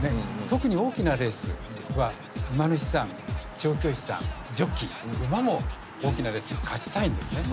特に大きなレースは馬主さん調教師さんジョッキー馬も大きなレースに勝ちたいんですね。